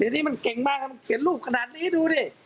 เดี๋ยวนี้มันเก่งมากมันเขียนรูปขนาดนี้ดูดิ